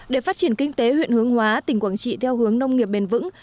để phát triển kinh tế huyện hướng hóa tỉnh quảng trị theo hướng nông nghiệp bền vững